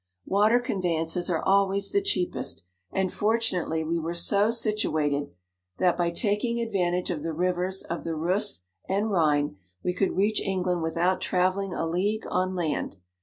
Water conveyances are always the cheapest, and fortunately we were so situated, that by taking advantage of the rivers of the Reuss and Rhine, we could reach England without travel ling a league on land.